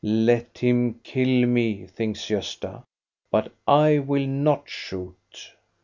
" Let him kill me," thinks Gosta, " but I will not shoot."